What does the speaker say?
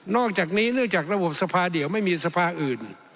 อกจากนี้เนื่องจากระบบสภาเดียวไม่มีสภาอื่น